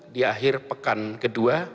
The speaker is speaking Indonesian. di akhir pekan ke dua